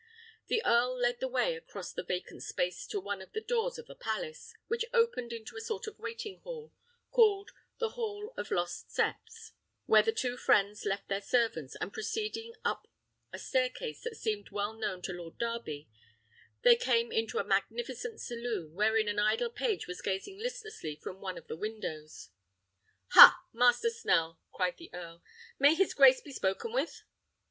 The earl led the way across the vacant space to one of the doors of the palace, which opened into a sort of waiting hall, called the "Hall of Lost Steps," where the two friends left their servants; and proceeding up a staircase that seemed well known to Lord Darby, they came into a magnificent saloon, wherein an idle page was gazing listlessly from one of the windows. "Ha, Master Snell!" cried the earl; "may his grace be spoken with?"